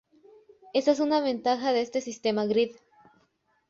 Esa es una ventaja de este sistema grid.